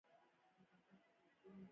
د نظرونو توپیر د بې باورۍ له امله وي